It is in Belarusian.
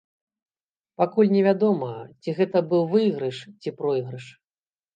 Пакуль невядома, ці гэта быў выйгрыш, ці пройгрыш.